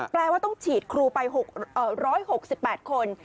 แปลว่าต้องฉีดครูไป๑๖๘คน